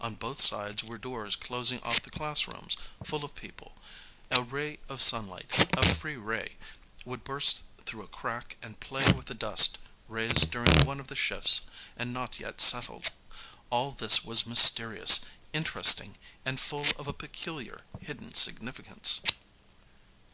On both sides were doors closing off the class rooms, full of people ; a ray of sunlight, a free ray, would burst through a crack and play with the dust raised during one of the shifts and not yet settled. All this was mysterious, interesting and full of a peculiar, hidden significance.